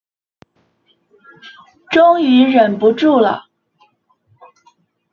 终于忍不住了